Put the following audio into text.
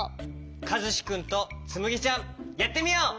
かずしくんとつむぎちゃんやってみよう！